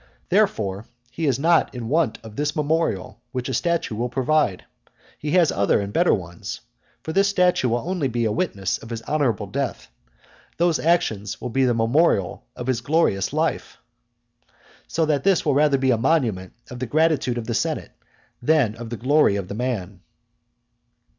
Therefore he is not in want of this memorial which a statue will provide; he has other and better ones. For this statue will be only a witness of his honourable death; those actions will be the memorial of his glorious life. So that this will be rather a monument of the gratitude of the senate, than of the glory of the man.